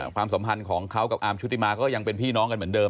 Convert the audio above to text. ความสัมพันธ์ของเขากับอาร์มชุติมาก็ยังเป็นพี่น้องกันเหมือนเดิม